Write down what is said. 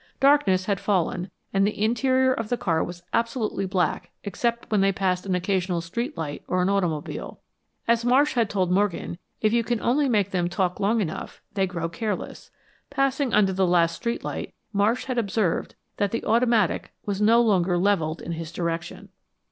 Darkness had fallen and the interior of the car was absolutely black except when they passed an occasional street light or an automobile. As Marsh had told Morgan, if you can only make them talk long enough, they grow careless. Passing under the last street light, Marsh had observed that the automatic was no longer leveled in his direction.